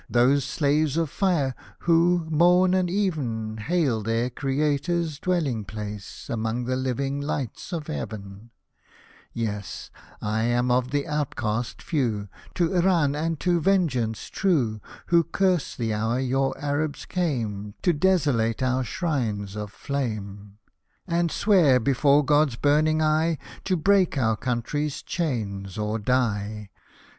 Those Slaves of Fire who, morn and eVen, Hail their Creator's dwelling place Among the living lights of heaven : Yes — I am of the outcast few, To Iran and to vengeance true, Who curse the hour your Arabs came To desolate our shrines of flame, Hosted by Google 136 LALLA ROOKH And swear, before God's burning eye, To break our country's chains, or die